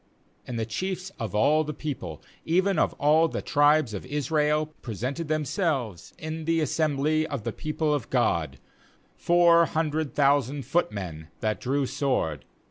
2And the chiefs of all the people, even of all the tribes of Israel, pre sented themselves in the assembly of the people of God, four hundred thousand footmen that drew sword.